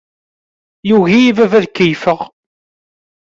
Yugi-iyi baba ad keyyefeɣ.